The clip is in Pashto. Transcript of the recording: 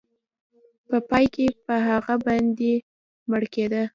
په پای کې به هغه بندي مړ کېده.